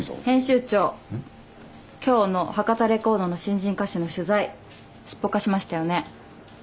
編集長今日の博多レコードの新人歌手の取材すっぽかしましたよね。